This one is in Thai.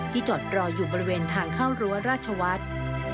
จอดรออยู่บริเวณทางเข้ารั้วราชวัฒน์